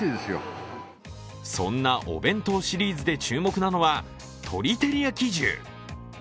そんなお弁当シリーズで注目なのは、鶏照り焼き重。